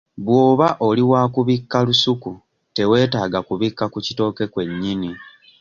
Bw'oba oli wa kubikka lusuku teweetaaga kubikka ku kitooke kwe nnyini.